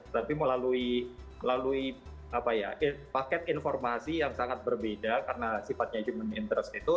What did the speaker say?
tapi melalui paket informasi yang sangat berbeda karena sifatnya human interest itu